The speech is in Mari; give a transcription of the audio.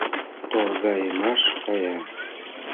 Торгайымаш кая.